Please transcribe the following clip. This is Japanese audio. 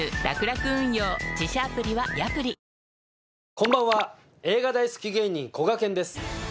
こんばんは映画大好き芸人こがけんです。